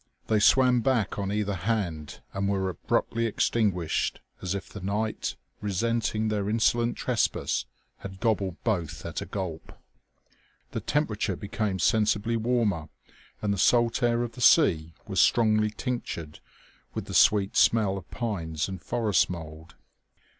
They swam back on either hand and were abruptly extinguished as if the night, resenting their insolent trespass, had gobbled both at a gulp. The temperature became sensibly warmer and the salt air of the sea was strongly tinctured with the sweet smell of pines and forest mould.